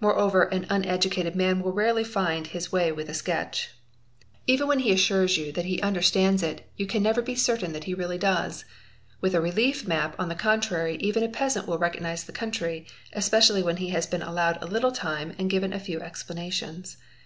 Moreover an uneducated man will rarely find his way ith a sketch. Even when he assures you that he understands it, you . an never be certain that he really does. With a relief map on the 'contrary even a peasant will recognise the country, especially when he 470 DRAWING AND ALLIED ARTS has been allowed a little time and given a few explanations.